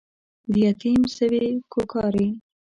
د يتيم سوې کوکارې